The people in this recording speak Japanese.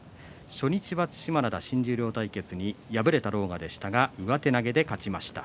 初日は對馬洋新十両対決に敗れた狼雅でしたが今日は上手投げで勝ちました。